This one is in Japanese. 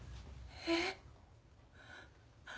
えっ？